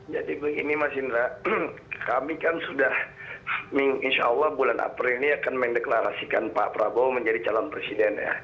jadi begini mas indra kami kan sudah insya allah bulan april ini akan mendeklarasikan pak prabowo menjadi calon presiden ya